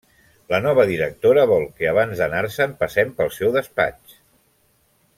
La nova directora vol que abans d’anar-se'n passem pel seu despatx.